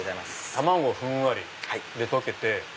卵ふんわりで溶けて。